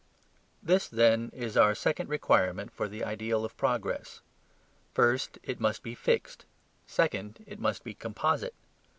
This, then, is our second requirement for the ideal of progress. First, it must be fixed; second, it must be composite.